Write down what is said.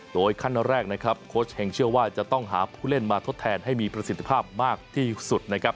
โดยขั้นแรกนะครับโค้ชเฮงเชื่อว่าจะต้องหาผู้เล่นมาทดแทนให้มีประสิทธิภาพมากที่สุดนะครับ